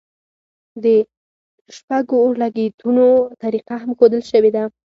د شپږو اورلګیتونو طریقه هم ښودل شوې ده.